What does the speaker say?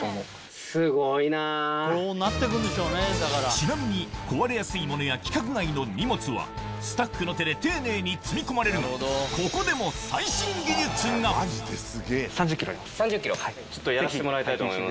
ちなみに壊れやすいものや規格外の荷物はスタッフの手で丁寧に積み込まれるがここでもちょっとやらせてもらいたいと思います。